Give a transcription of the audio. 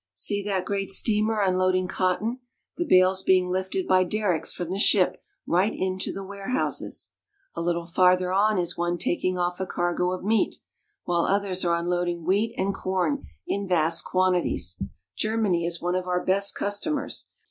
See that great steamer unloading cotton, the bales being lifted by derricks from the ship right into the warehouses ! A little farther on is one taking off a cargo of meat, while others are unloading wheat and corn in vast quantities. Germany is one of our best customers.